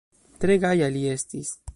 Tre gaja li estis.